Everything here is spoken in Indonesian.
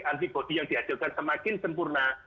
antibody yang dihasilkan semakin sempurna